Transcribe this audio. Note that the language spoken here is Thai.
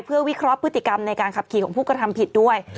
เพื่อวิเคราะห์พฤติกรรมในการขับขี่ของผู้กระทำผิดด้วย